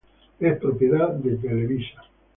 Es propiedad de Televisa.